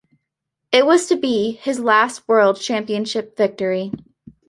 It was to be his last world championship victory.